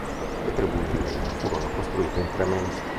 Le tribune in legno furono costruite in tre mesi.